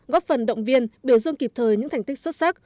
góp phần động viên biểu dương kịp thời những thành tích xuất sắc